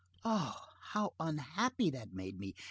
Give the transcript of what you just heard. Oh! how unhappy that made me!